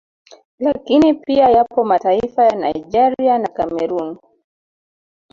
Lakini pia yapo mataifa ya Nigeria na Cameroon